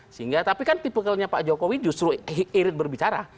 sehingga tapi kan tipikalnya pak jokowi justru irit berbicara